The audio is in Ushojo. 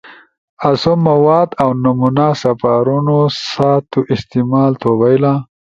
آسو مواد او نمونا سپارونا سا تُو استعمال تو بھئیلا۔